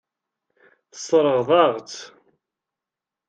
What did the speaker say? Tesseṛɣeḍ-aɣ-tt.